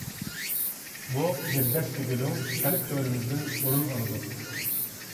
بۇ بىر دەستە گۈلۈڭ قەلب تۆرىمىزدىن ئورۇن ئالىدۇ.